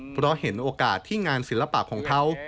เพราะเห็นโอกาสที่งานศิลปะของเขา